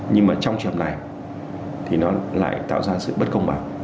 nhưng mà trong trường hợp này thì nó lại tạo ra sự bất công bằng